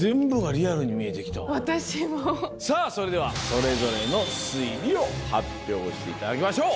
さあそれではそれぞれの推理を発表していただきましょう！